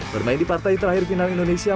bermain di partai terakhir final indonesia